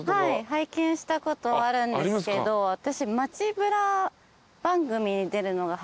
拝見したことあるんですけど私。